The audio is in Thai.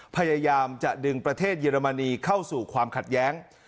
พยายามจะดึงประเทศเยอรมนีเข้าสู่ความขัดแย้ง